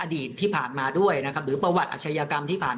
อดีตที่ผ่านมาด้วยนะครับหรือประวัติอาชญากรรมที่ผ่าน